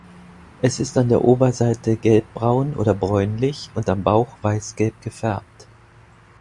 Es ist an der Oberseite gelbbraun oder bräunlich und am Bauch weißgelb gefärbt.